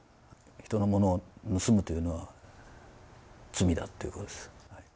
人のものを盗むというのは罪だっていうことです。